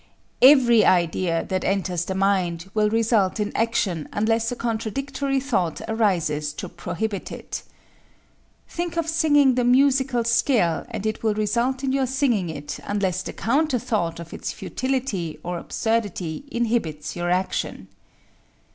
Every idea that enters the mind will result in action unless a contradictory thought arises to prohibit it. Think of singing the musical scale and it will result in your singing it unless the counter thought of its futility or absurdity inhibits your action.